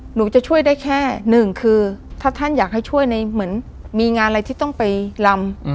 หนูจะช่วยได้แค่หนึ่งคือถ้าท่านอยากให้ช่วยในเหมือนมีงานอะไรที่ต้องไปลำ